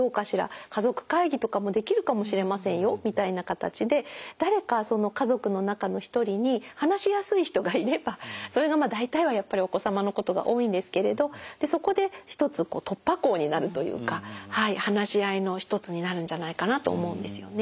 家族会議とかもできるかもしれませんよみたいな形で誰か家族の中の一人に話しやすい人がいればそれが大体はやっぱりお子様のことが多いんですけれどそこで一つ突破口になるというか話し合いの一つになるんじゃないかなと思うんですよね。